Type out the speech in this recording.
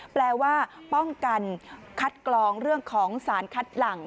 แปลว่าป้องกันคัดกรองเรื่องของสารคัดหลัง